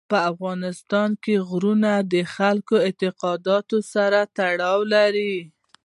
په افغانستان کې غرونه د خلکو د اعتقاداتو سره تړاو لري.